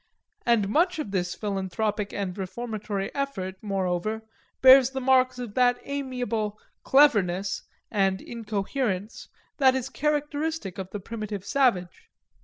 And much of this philanthropic and reformatory effort, moreover, bears the marks of that amiable "cleverness" and incoherence that is characteristic of the primitive savage.